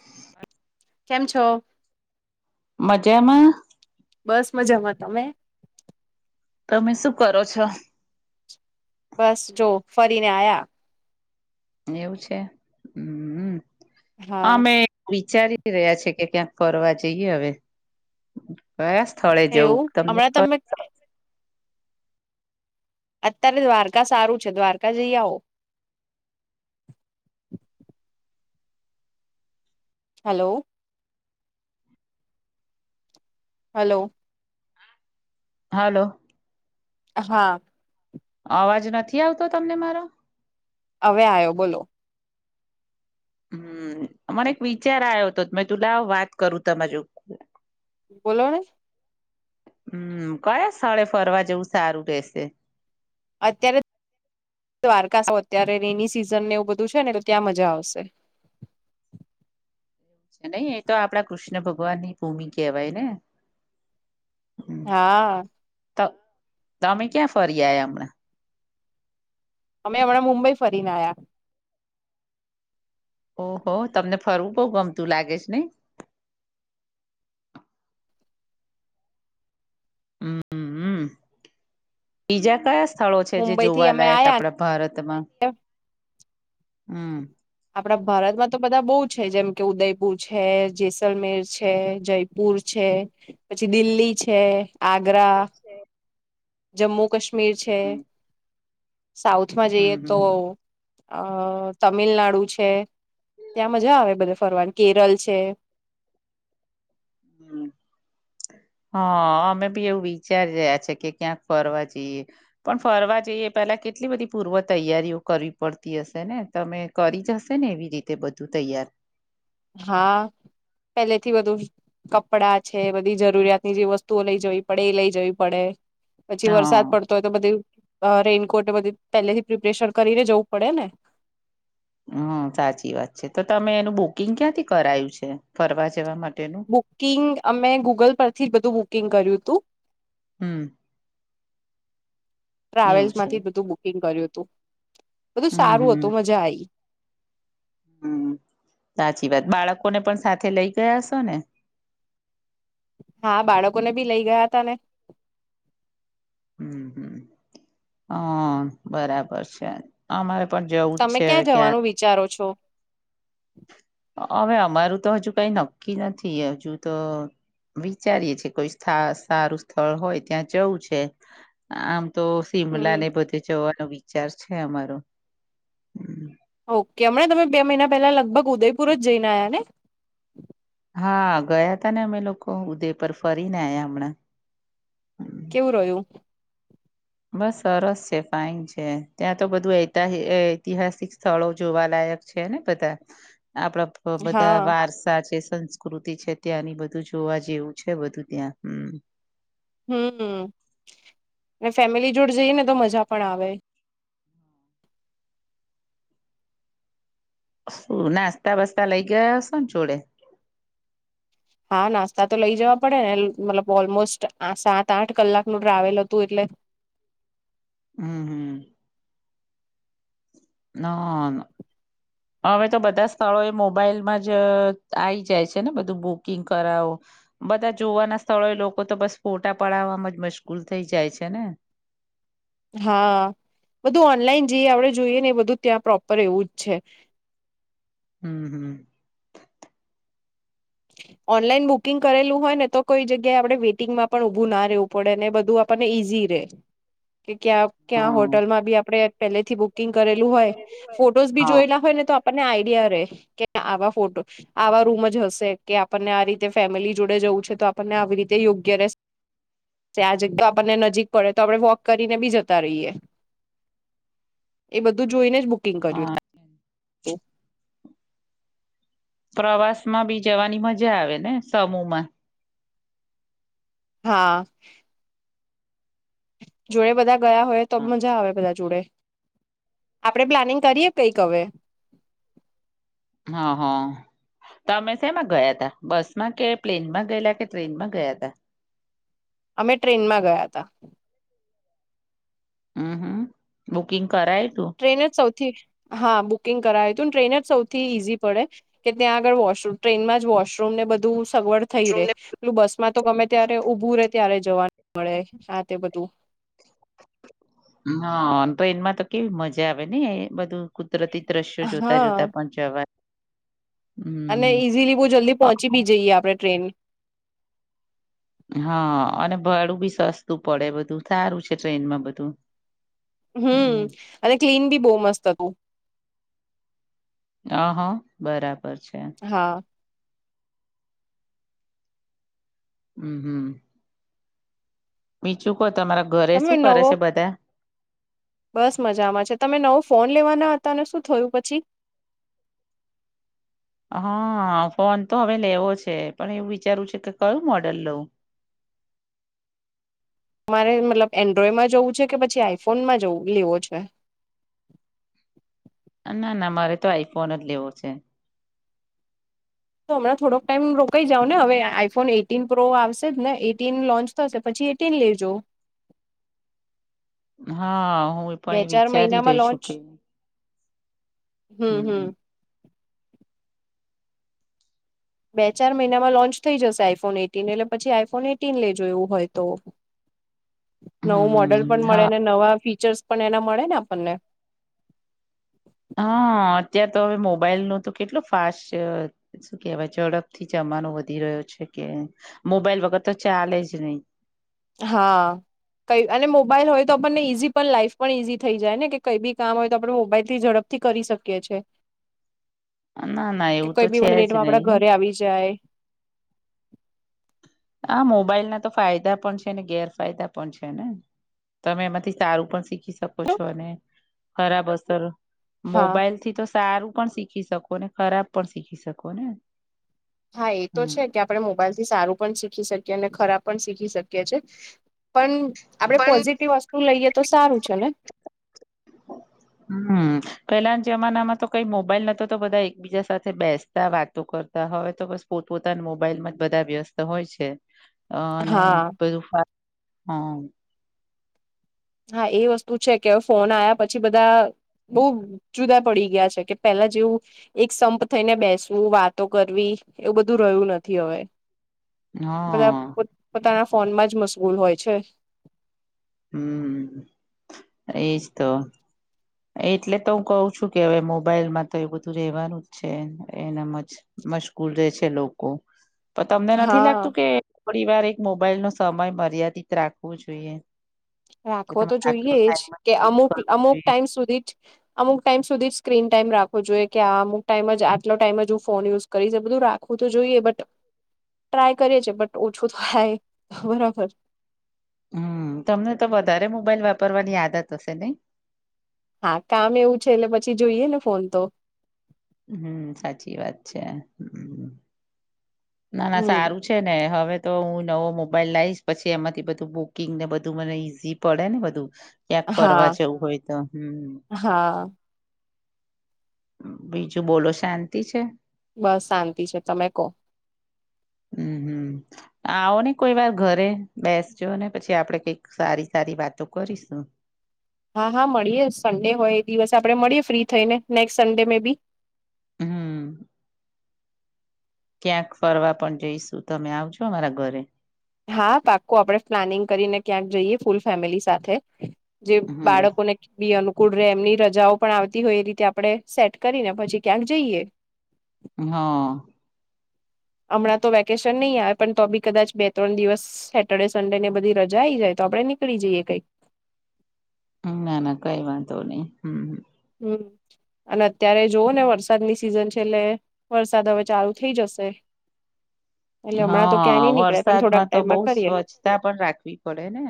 હા [unintelligible] કેમ છો? મજામાં? બસ મજામાં તમે? તમે શું કરો છો? બસ જો ફરીને આયા. એવું છે હ, હા અમે વિચારી રહ્યા છે કે ક્યાંક ફ જઈએ, હવે કયા સ્થળે જવું એવું તમને હમણાં તમે અત્યારે દ્વારકા સારું છે, દ્વારકા જઈ આવ હલો. હલો. હાલો. હા. અવાજ નથી આવતો તમને મારો? હવે આયો, બોલો હમ્મ, મને એક વિચાર આયો તો મે કીધું લાવ વાત કરું તમારે જો બોલો ને હમ્મ, કયા સ્થળે ફરવા જવું સારું રેશે? અત્યારે દ્વારકા અત્યારે રેની સિઝનને એવું બધું છે ને એટલે ત્યાં મજા આવશે. નઈ એ તો આપડા કૃષ્ણ ભગવાન ની ભૂમિ કેહેવાય ને? હા. ત તમે ક્યાં ફરી આયા હમણાં? અમે હમણાં મુંબઈ ફરીને આ્યા. ઓહો તમને ફરવું બો ગમતું લાગે છે, નઈ? હમ્મ, બીજા કયા સ્થળો છે જે મુંબઈ થી અમે જોવાલાયક આયા આપડા? ભારતમાં. હમ. આપડા ભારતમાં તો બધા બો છે જેમકે ઉદયપુર છે, જેસલમેર છે, જયપુર પુર છે પછી દિલ્હી છે, આગ્રા છે. જમ્મુ કાશ્મીર છે. સાઉથમાં જઈએ તો, હમ અ તમિલનાડુ છે. ત્યાં મજા આવે બધે ફરવાની. કેરળ છે, [unintelligible] હ. અમે બી એવું વિચારી રહ્યા છે કે ક્યાંક ફરવા જઈએ. પણ ફરવા જઈએ એ પેલા કેટલી બધી પૂર્વ તૈયારીઓ કરવી પડતી હશે ને? તમે કરી જ હશે ને એવી રીતે બધું તૈયાર? હા, પેલેથી બધું કપડાં છે બધી જરૂરિયાતની જે વસ્તુઓ લઈ જવી પડે એ લઈ જવી પડે. પછી વરસાદ હા પડ- તોય તો બધી રેનકોટ એ બધી પહેલેથી પ્રિપરેશન કરીને જવું પડે ને? હમ. સાચી વાત છે તો તમે એનું બુકિંગ ક્યાંથી કરાયું છે ફરવા જવા માટેનું? બુકિંગ, અમે ગૂગલ પરથી જ બધું બુકિંગ કર્યુંતું. હમ. એવું છે ટ્રાવેલ્સમાંથી બધું બુકિંગ કર્યું હતું. બધું સારું હમ હતું મજા આઈ. હમ, સાચી વાત. બાળકોને પણ સાથે લઇ ગયા હશોને? હા, બાળકોને બી લઈ ગયાતાને. હમ હમ અ બરાબર છે. અમારે પણ જવું જ તમે છે હવે ક્યાં જવાનું વિચારો છો? અવે અમારું તો હજુ કઈ નક્કી નથી. હજુ તો વિચારીએ છીએ કોઈ સ્થા સારું સ્થળ હોય ત્યાં જવું છે. આમ તો શિમલા હમ ને બધે જવાનો વિચાર છે અમારો. હમ. ઓકે. હમણાં તમે બે મહિના પહેલા લગભગ ઉદયપુર જ જઈને આવ્યાને? હા, ગયાતાને અમે લોકો ઉદય પર ફરીન આયા હમણાં. કેવું રહ્યું? બસ સરસ છે, ફાઇન છે, ત્યાં તો બધું એતી ઐતિહાસિક સ્થળો જોવાલાયક છેને બધા. આપણા બધા હા વારસા છે, સંસ પ્રકૃતિ છે ત્યાંની બધું જોવા જેવું છે બધું ત્યાં. હમ. હમ, ફેમિલી જોડ જઈએને તો મજા પણ આવે. શું નાસ્તા વાસ્તા લઈ ગયા હશોને જોડે? હા, નાસ્તા તો લઈ જવા પડે ને મતલબ ઓલમોસ્ટ સાત આઠ કલાકનું ટ્રાવેલ હતું એટલે. હમ હમ. નોન [inaudible] હવે તો બધા સ્થળો એ મોબાઈલમાં જ આવી જાય છે ને બધું બુકિંગ કરાવો બધા જોવાના સ્થળોએ લોકો તો બસ ફોટા પડાવામાં જ મસગૂલ થઈ જાય છે ને. હા.. બધું ઓનલાઈન જે આપડે જોઈએ ને એ બધું ત્યાં પ્રોપર એવું જ છે. હમ હમ. ઓનલાઈન બુકિંગ કરેલું હોય ને તો કોઈ જગ્યાએ આપડે વેઇટિંગમાં પણ ઉભું ના રહેવ પડે ને. બધું આપણને ઈઝી રે કે, ક્યાં ક્યાં હા હોટલમાં બી આપડે પેલેથી બુક કિંગ કરેલું હોય ફોટોસ બી હા જોયેલા હોય ને તો આપણને આઈડિયા રે કે આવા ફોટો આવા રૂમ જ હશે કે આપણને આ રીતે ફેમિલી જોડે જવું છે તો આપણને આવી રીતે યોગ્ય રહેશે ત્યાં જેટલું આપણને નજીક પડે તો આપડે વોક કરીને બી જતા રહીએ. એ બધું જોઈને જ બુકિંગ કર્યુંતું હા પ્રવાસમાં બી જવાની મજા આવે ને? સમૂહમાં. હા. જોડે બધા ગયા હોય તો મજા આવે બધા જોડે. આપડે પ્લાનિંગ કરીએ કઈક હવે. હા હા તમે શેમાં ગયા તા બસ માં કે પ્લેનમાં ગયેલા કે ટ્રેનમાં ગયા તા અમે ટ્રેનમાં ગયા હતા હમ હમ બુકિંગ કરાય તું ટ્રેન જ સૌથી હા બુકિંગ કરાવ્યું હતું ને ટ્રેન જ સૌથી ઈઝી પડે કે ત્યાં આગળ વોશરૂમ ટ્રેનમાં જ વોશરૂમ ને બધું સગવડ થઈ રે તું. પેલું બસ માં તો ગમે ત્યારે ઊભું રે ત્યારે જવાનું મળે આ તે બધું હા ટૈનતો એમાં તો કેવી મજા આવે ને એ બધું કુદરતી દ્રશ્યો જોતા હા જોતા પણ જવા અને ઇઝીલી બહુ જલ્દી પહોંચી બી જઈએ આપણે ટ્રેન હા અને ભાડું બી સસ્તું પડે બધું સારું છે ટ્રેનમાં બધું હમ અને ક્લીન બી બહુ મસ્ત હતું હ હા બરાબર છે. હા હમ હમ બીજુ કોહ તમારા ઘરે તમે શું કરે નવો છે બધા બસ મજામાં છે તમે નવો ફોન લેવાના હતા ને શું થયું પછી હા ફોન તો હવે લેવો છે પણ એવું વિચારવું છે કે કયું મોડલ લઉં મારે મતલબ એન્ડ્રોઈડમાં જવું છે કે પછી આઈફોનમાં જવું લેવો છે ના ના મારે તો આઈફોન જ લેવો છે તો હમણા થોડોક ટાઈમ રોકાઈ જાવ ને હવે આઈફોન એટીન પ્રો આવશે જ ને એટીન લોન્ચ શે પછી એટીને લેજો હા હું એ બે પણ એ ચાર વિચારી મહિનામાં રહ્યો છું લોન્ચ કે હમ બે ચાર મહિનામાં લોન્ચ થઈ જશે આઈફોન એટીન એટલે પછી આઈફોન એટીન લઈ જોયું હોય તો નવું મોડલ હમ પણ મળે હા ને નવા ફીચર્સ પણ એના મળે ને આપણને હા અત્યારે તો હવે મોબાઈલ ન તો કેટલું ફાસ્ટ છે શું કેહેવાય ઝડપથી જમાનો વધી રહ્યો છે કે મોબાઈલ વગર તો ચાલે જ નહી હા કઈ અને મોબાઈલ હોય તો આપણને ઈઝી પણ લાઈફ પણ ઈઝી થઈ જાય ને કે કઈ બી કામ હોય તો આપણે મોબાઈલથી ઝડપ થી કરી શકીએ છે ના ના કે એવું કોઈ તો બી છે જ મિનિટમાં આપડા નહી ઘરે આવી જાય હા મોબાઈલ ના તો ફાયદા પણ છે ને ગેરફાયદા પણ છે ને તમે એમાંથી સારું પણ શીખી શકો છો અને ખરાબ અસર હા મોબાઈલ થી તો સારું પણ શીખી શકો ને ખરાબ પણ શીખી શકો ને હા એ તો હમ છે કે આપણે મોબાઈલ થી સારું પણ શીખી શકીએ અને ખરાબ પણ શીખી શકીએ છે પણ આપડે પણ પોઝિટિવ વસ્તુ લઈએ તો સારું છે ને હમ પેલાના જમાનામાં તો કઈ મોબાઈલ નતો તો બધા એકબીજા સાથે બેસતા વાતો કરતા હવે તો બસ પોતપોતાના મોબાઈલમાં જ બધા વ્યસ્ત હોય છે અ અને હા પેલું [unintelligible] હ હા એ વસ્તુ છે કે ફોન આવ્યા પછી બધા બઉુ જુદા પડી ગયા છે કે પેલા જેવું એક સંપ થઈને બેસવું વાતો કરવી એવું બધું રહ્યું નથી હવે બધા હા પોતાના ફોનમાં જ મશગૂલ હોય છે [inaudible] હમ એજ તો એટલે તો હું કહઉ છું કે હવે મોબાઈલમાં તો એ બધું રેવાનું જ છે એનામ જ મશ્ગુર રહેે છે લોકો પણ તમને નથી હા લાગતું કે થોડી વાર એક મોબાઈલ નો સમય મર્યાદિત રાખવો જોઈએ કે રાખવો તો તમારે આટલો જોઈએ જ ટાઈમ કે યુઝ અમુક કરવો અમુક જોઈએ. ટાઈમ સુધી જ અમુક ટાઈમ સુધી જ સ્ક્રીન ટાઈમ રાખો જોઈએ કે આ અમુક ટાઈમ આટલો ટાઈમ જ હું ફોન યુસ કરી છે બધું રાખવું તો જોઈએ બટ ટ્રાય કરીએ છે બટ ઓછું થ થાય બરાબર હમ તમને તો વધારે મોબાઈલ વાપરવાની આદત હશે નહી. હા કામ એવું છે એટલે પછી જોઈએ ને ફોન તો. હમ સાચી વાત છે ના ના હમ સારું છે ને હવે તો હું નવો મોબાઈલ લાઈશ પછી એમાંથી બધું બુકિંગ ને બધું મને ઈઝી પડે ને બધું ક્યાંક ફરવા હા જવું હોય તો હમ. હા બીજું બોલો શાંતિ છે? બસ શાંતિ છે તમે કો. હમ હમ. આવો ને કોઈ વાર ઘરે બેસજો ને પછી આપડે કઈક સારી સારી વાતો કરીશું. હા હા મળીએ સન્ડે હોય એ દિવસે આપણે મળીએ ફ્રી થઈને નેક્સ્ટ સન્ડે મે બી. હમ ક્યાંક ફરવા પણ જઈશું તમે આવજો અમારા ઘરે. હા પાકું આપણે પ્લાનિંગ કરીને ક્યાંક જઈએ ફૂલ ફેમિલી સાથે. જે હમ બાળકોને બી અનુ ફુલ ડે એમની રજાઓ પણ આવતી હોય એ રીતે આપડણે સેટ કરીને પછી ક્યાંક જઈએ. હા હમણાં તો વેકેશન નહી આવે પણ તો બી કદાચ બે ત્રણ દિવસ સેટર્ડે સન્ડે ને બધી રજા આઈ જાય તો આપણે નીકળી જઈએ કંઈક. હ ના ના કઈ વાંધ નહી હમ. હમ અને અત્યારે જોવો ને વરસાદની સિઝન છે એટલે વરસાદ હવે ચાલુ થઈ જશે. એટલે હમણાં તો ક્યાંય નહી હા નીકળે પણ થોડાક વરસાદમાં તો ટાઈમમાં બહ કરીએ સ્વચ્છતા પણ રાખવી પડે ને.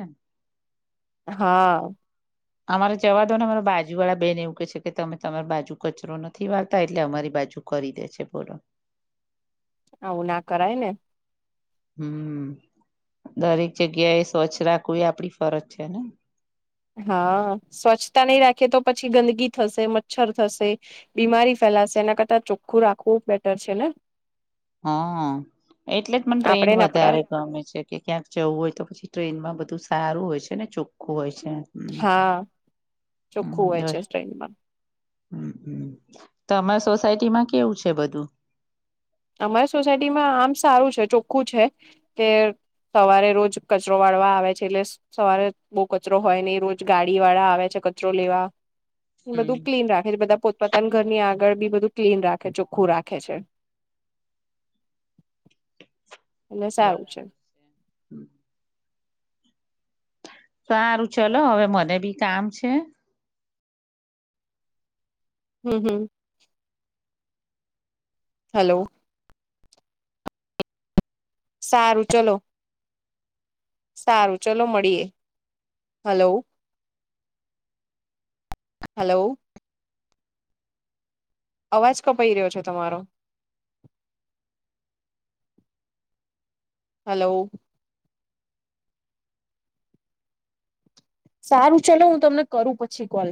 હા અમારે જવા દો ને અરો બાજુ વાળા બેન એવું કેહે છે કે તમે તમારી બાજુ કચરો નથી વારતા એટલે અમારી બાજુ કરી દે છે બોલો. આવું ના કરાય ને. હમ દરેક જગ્યા એ સ્વચ્છ રાખવું એ આપડી ફરજ છે ને. હા સ્વચ્છતા નહી રાખે તો પછી ગંદગી થશે મચ્છર થશે બીમારી ફેલાશે એના કરતાં ચોખ્ખું રાખવું બેટર છે ને. હા એટલે જ મને ટ્રેન આપણેે ને આપડા વધારે ગમે છે કે ક્યાંક જવું હોય તો પછી ટ્રેનમાં બધું સારું હોય છે ને ચોખ્ખું હોય છે. હમ હા ચોખ્ખું હમ હોય છે દસ ટ્રેનમાં. હમ તો અમારા સોસાયટી માં કેવું છે બધું? અમારી સોસાયટીમાં આમ સારું છે ચોખ્ખું છે કે સવારે રોજ કચરો વાળવા આવે છે એટલે સવારે બહુ કચરો હોય ને રોજ ગાડી વાળા આવે છે કચરો લેવા. બધું હમ. ક્લીન રાખે છે બધા પોતપતાના ઘરની આગળ બી બધું ક્લીન રાખે ચોખ્ખું રાખે છે. એટલે સારું બરાબર છે સારું ચલો હવે મને બી કામ છે હમ હમ હેલો સારું ચલો સારું ચલો મળીએ હલો હલો અવાજ કપાઈ રહ્યો છે તમારો હલો સારું ચલો હું તમને કરું પછી કોલ